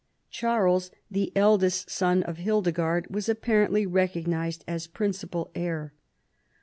Charles, the eldest son of Hildegard, was apparently recognized as principal heir.